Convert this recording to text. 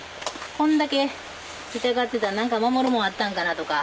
こんだけ痛がってたら何か守るもんあったんかなとか。